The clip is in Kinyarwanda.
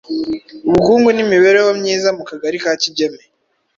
ubukungu n’imibereho myiza mu kagari ka Kigeme